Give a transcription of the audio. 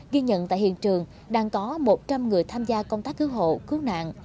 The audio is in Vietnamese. ghi nhận tại hiện trường đang có một trăm linh người tham gia công tác cứu hộ cứu nạn